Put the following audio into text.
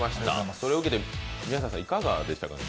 それを受けて宮下さん、いかがでしたか？